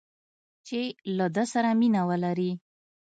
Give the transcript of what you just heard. چې له ده سره مینه ولري